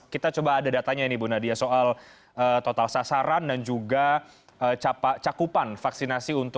kita coba ada datanya ini bu nadia soal total sasaran dan juga cakupan vaksinasi